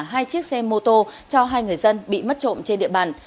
hai chiếc xe mô tô cho hai người dân